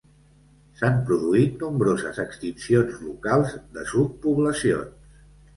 S'han produït nombroses extincions locals de subpoblacions.